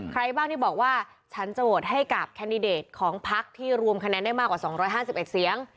ใครบ้างที่บอกว่าฉันจะโหวตให้กับแคนดิเดตของพักที่รวมคะแนนได้มากกว่า๒๕๑เสียง